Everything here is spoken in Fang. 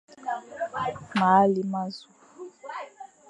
Mâa lé ma zu.